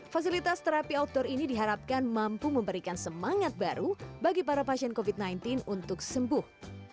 fasilitas terapi outdoor ini diharapkan mampu memberikan semangat baru bagi para pasien covid sembilan belas untuk sembuh